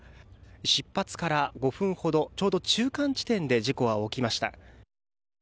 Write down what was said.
出発から５分ほどちょうど中間地点で事故は起きました。